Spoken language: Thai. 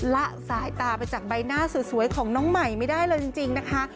ละสายตาไปจากใบหน้าสวยของน้องใหม่ไม่ได้เลยจริงนะคะ